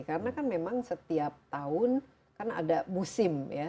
karena kan memang setiap tahun kan ada musim ya